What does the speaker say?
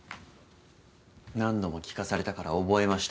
何度も聞かされたから覚えました。